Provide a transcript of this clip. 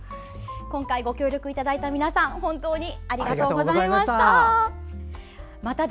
今回ご協力いただいた皆さん本当にありがとうございました。